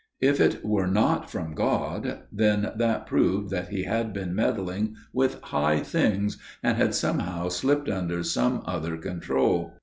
If it were not from God, then that proved that he had been meddling with high things, and had somehow slipped under some other control.